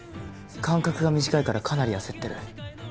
間隔が短いからかなり焦ってる。